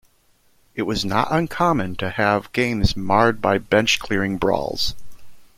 It was not uncommon to have games marred by bench clearing brawls.